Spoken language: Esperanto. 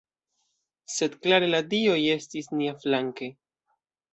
Sed klare la dioj estis niaflanke.